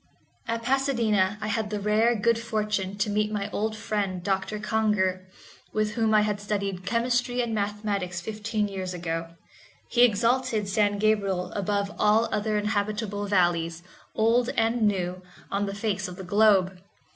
At Pasadena I had the rare good fortune to meet my old friend Doctor Congar, with whom I had studied chemistry and mathematics fifteen years ago. He exalted San Gabriel above all other inhabitable valleys, old and new, on the face of the globe.